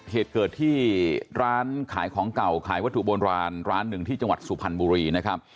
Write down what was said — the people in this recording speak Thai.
เหตุเกิดที่ร้านขายของเก่าขายวัตถุโบราณร้านหนึ่งที่จังหวัดสุพรรณบุรีนะครับ